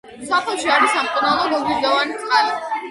სოფელში არის სამკურნალო გოგირდოვანი წყალი.